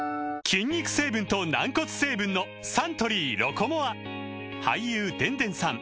筋肉成分と軟骨成分のサントリー「ロコモア」俳優でんでんさん